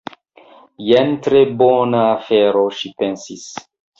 "Jen tre bona afero," ŝi pensis.